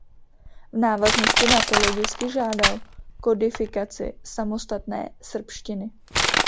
V návaznosti na to logicky žádal kodifikaci samostatné srbštiny.